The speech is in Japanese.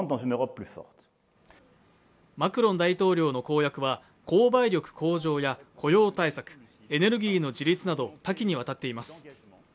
マクロン大統領の公約は購買力向上や雇用対策、エネルギーの自立など多岐にわたっています。